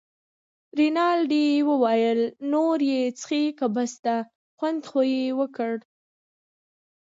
رینالډي وویل: نور یې څښې که بس ده، خوند خو یې وکړ.